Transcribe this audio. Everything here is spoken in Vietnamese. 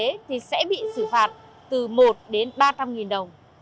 cơ quan y tế sẽ bị xử phạt từ một đến ba trăm linh đồng